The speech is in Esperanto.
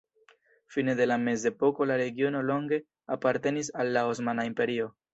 Fine de la mezepoko la regiono longe apartenis al la Osmana Imperio.